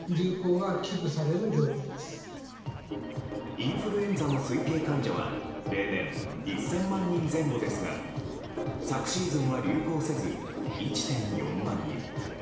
インフルエンザの推計患者は例年１０００万人前後ですが昨シーズンは流行せず１．４万人。